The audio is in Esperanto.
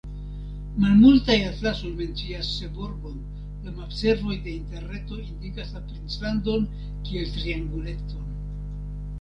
Malmultaj atlasoj mencias Seborgon; la mapservoj de Interreto indikas la princlandon kiel trianguleton.